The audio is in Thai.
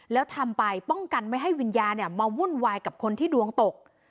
แล้วทำไปป้องกันไม่ให้วิญญาณมาวุ่นวายกับคนที่ดวงตก